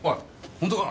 本当か！？